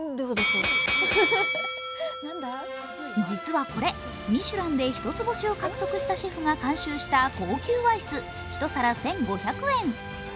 実はこれ、ミシュランで一つ星を獲得したシェフが監修した高級アイス、１皿１５００円。